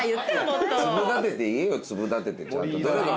粒立てて言えよ粒立ててちゃんと。